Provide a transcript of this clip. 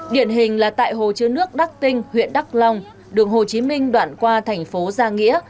điển hình là tại hồ chứa nước đắk tinh huyện đắk long đường hồ chí minh đoạn qua thành phố gia nghĩa